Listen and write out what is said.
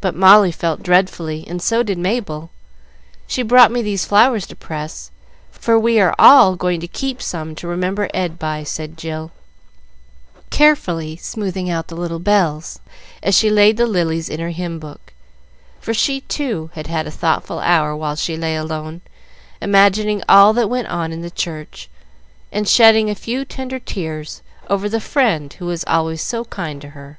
But Molly felt dreadfully, and so did Mabel. She brought me these flowers to press, for we are all going to keep some to remember dear Ed by," said Jill, carefully smoothing out the little bells as she laid the lilies in her hymn book, for she too had had a thoughtful hour while she lay alone, imagining all that went on in the church, and shedding a few tender tears over the friend who was always so kind to her.